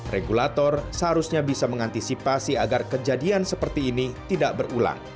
regulator seharusnya bisa mengantisipasi agar kejadian seperti ini tidak berulang